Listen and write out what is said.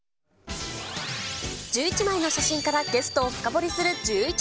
１１枚の写真からゲストを深掘りするジューイチ。